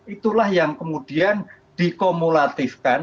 itulah yang kemudian dikomulatifkan